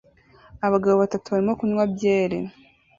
Abagabo batatu barimo kunywa byeri